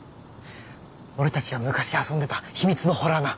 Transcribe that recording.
俺たちが昔遊んでた秘密の洞穴。